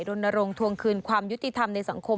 รณรงค์ทวงคืนความยุติธรรมในสังคม